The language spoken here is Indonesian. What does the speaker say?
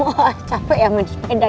oh capek ya mandi sepeda ya